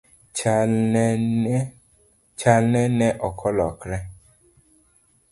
Chalne ne olokore?